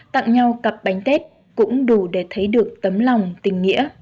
tặng nhau cặp bánh tết cũng đủ để thấy được tấm lòng tình nghĩa